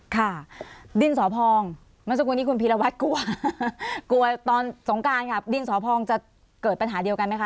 คร่าดินสอพองคุณภีรวัตรกลัวตอนสงการครับดินสอพองจะเกิดปัญหาเดียวกันไหมคะ